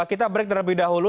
kita break terlebih dahulu